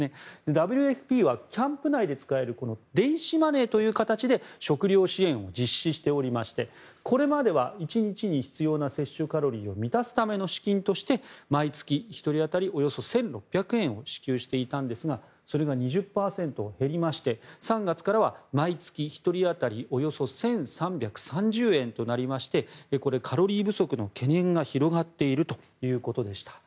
ＷＦＰはキャンプ内で使える電子マネーという形で食料支援を実施しておりましてこれまでは１日に必要な摂取カロリーを満たすための資金として毎月１人当たりおよそ１６００円を支給していたんですがそれが２０％減りまして３月からは毎月１人当たりおよそ１３３０円となりましてカロリー不足の懸念が広がっているということでした。